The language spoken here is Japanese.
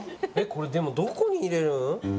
これでもどこに入れる？